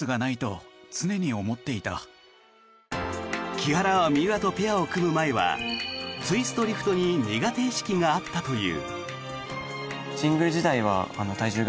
木原は三浦とペアを組む前はツイストリフトに苦手意識があったという。